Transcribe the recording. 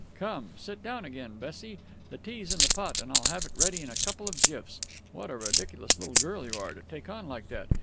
"Come, sit down again, Bessie. The tea's in the pot and I'll have it ready in a couple of jiffs. What a ridiculous little girl you are, to take on like that!...